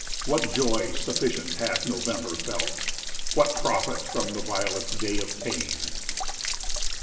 What joy sufficient hath November felt? What profit from the violet's day of pain?